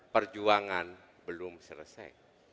perjuangan belum selesai